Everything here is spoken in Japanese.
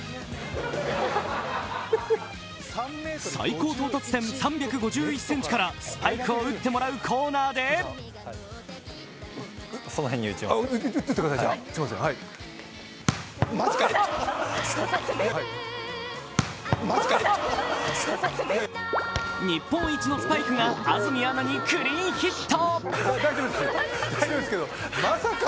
最高到達点３５１ｃｍからスパイクを打ってもらうコーナーで日本一のスパイクが安住アナにクリーンヒット。